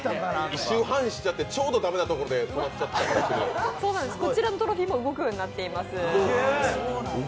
１周半しちゃって、ちょうどいいところでこちらのトロフィーも動くようになっています。